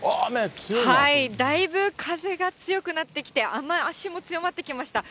だいぶ、風が強くなってきて、雨足も強まってきました。